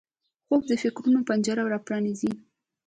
خوب د فکرونو پنجره پرانیزي